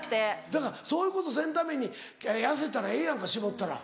だからそういうことせんために痩せたらええやんか絞ったら。